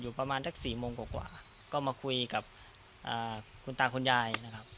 อยู่ประมาณทั้งสี่โมงกว่ากว่าก็มาคุยกับอ่าคุณตาคุณยายนะครับ